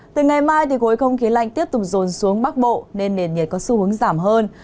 từ ngày mai khối không khí lạnh tiếp tục rồn xuống bắc bộ nên nền nhiệt có xu hướng giảm hơn